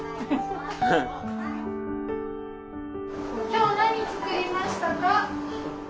今日何作りましたか？